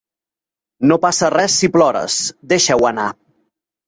No passa res si plores, deixa-ho anar.